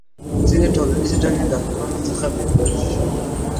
ځینې ټولنیزې ډلې له حقونو بې برخې شوې.